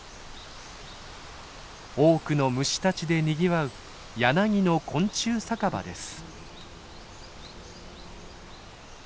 多くの虫たちでにぎわう柳の昆虫酒場です。